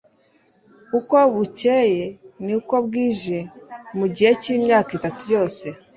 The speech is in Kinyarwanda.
Uko bukcye n'uko bwije mu gihe cy'imyaka itatu yose,